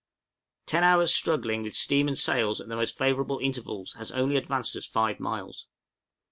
Ten hours' struggling with steam and sails at the most favorable intervals has only advanced us five miles.